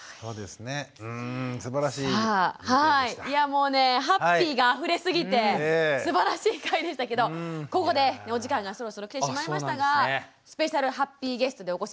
いやもうねハッピーがあふれすぎてすばらしい回でしたけどここでお時間がそろそろ来てしまいましたがスペシャルハッピーゲストでお越し頂きました庄司さん